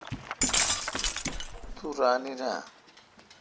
تو ران این۔ اؘ